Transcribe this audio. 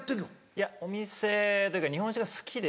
いやお店というか日本酒が好きで。